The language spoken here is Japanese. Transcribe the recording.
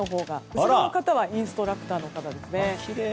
後ろはインストラクターの方ですね。